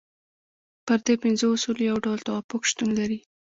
پر دې پنځو اصولو یو ډول توافق شتون لري.